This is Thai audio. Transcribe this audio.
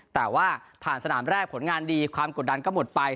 แต่ว่าผ่านสนามแรกผลงานดีความกดดันก็หมดไป